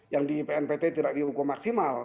yang di pnpt tidak dihukum maksimal